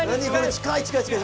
近い近い近い！